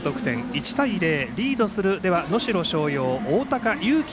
１対０、リードする能代松陽大高有生